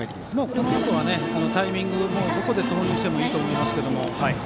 このあとは、タイミングどこで投入してもいいと思います。